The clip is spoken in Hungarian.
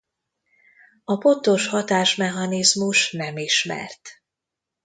A pontos hatásmechanizmus nem ismert.